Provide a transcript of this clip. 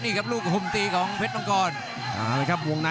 ดูลูกฮุ่มตีของเบชรมังกร